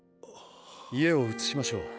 家を移しましょう。